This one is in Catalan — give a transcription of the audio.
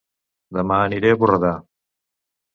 Dema aniré a Borredà